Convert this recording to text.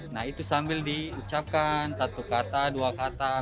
nah itu sambil diucapkan satu kata dua kata